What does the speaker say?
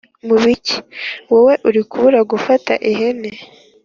mubiki, wowe uri kubura gufata ihene